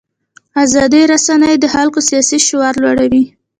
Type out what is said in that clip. ازادې رسنۍ د خلکو سیاسي شعور لوړوي.